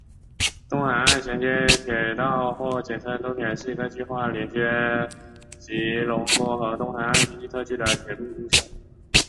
东海岸衔接铁道或简称东铁是一个计划连接吉隆坡和东海岸经济特区的铁路路线。